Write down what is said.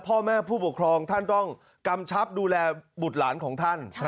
พ่อแม่ผู้ปกครองท่านต้องกำชับดูแลบุตรหลานของท่าน